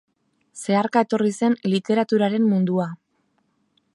Zeharka etorri zen literaturaren mundua.